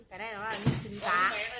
cái này nó là trứng cá